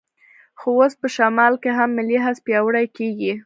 خو اوس په شمال کې هم ملي حس پیاوړی کېږي.